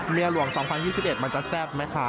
เมียหลวง๒๐๒๑มันจะแซ่บไหมคะ